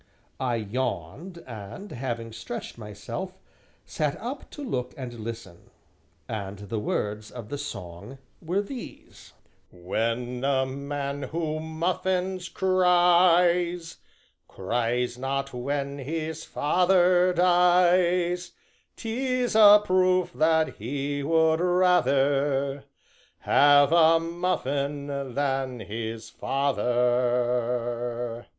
I yawned and, having stretched myself, sat up to look and listen. And the words of the song were these: "When a man, who muffins cries, Cries not, when his father dies, 'Tis a proof that he would rather Have a muffin than his father."